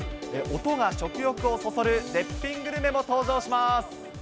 音が食欲をそそる絶品グルメも登場します。